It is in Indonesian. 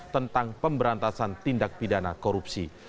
tentang pemberantasan tindak pidana korupsi